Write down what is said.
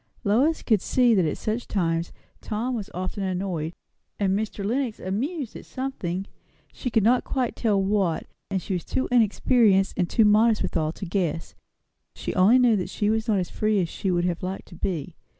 Lois could see that at such times Tom was often annoyed, and Mr. Lenox amused, at something, she could not quite tell what; and she was too inexperienced, and too modest withal, to guess. She only knew that she was not as free as she would have liked to be.